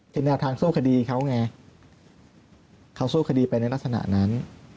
เป็นแนวทางสู้คดีเขาไงเขาสู้คดีไปในลักษณะนั้น